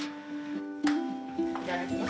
いただきます。